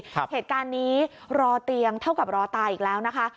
เหตุการณ์นี้รอเตียงเท่ากับรอตายอีกแล้วนะคะ